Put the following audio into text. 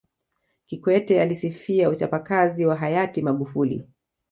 Kikwete alisifia uchapakazi wa Hayati Magufuli